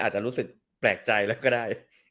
อาจจะรู้สึกแปลกใจแล้วก็ได้